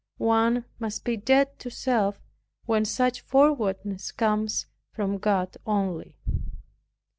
One must be dead to self, when such fowardness comes from God only.